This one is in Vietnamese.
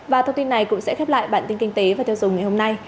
và thông tin này cũng sẽ khép lại bản tin kinh tế và tiêu dùng ngày hôm nay